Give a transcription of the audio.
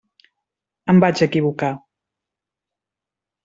Em vaig equivocar.